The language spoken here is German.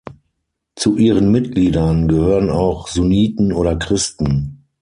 Zu ihren Mitgliedern gehören auch Sunniten oder Christen.